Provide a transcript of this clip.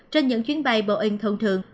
trên những chuyến bay boeing thông thường